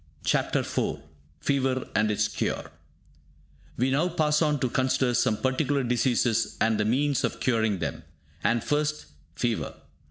CHAPTER IV FEVER AND ITS CURE We now pass on to consider some particular diseases and the means of curing them. And first, fever.